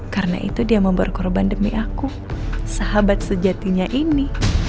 karena itu dia mau berkorban demi aku sahabat sejatinya ini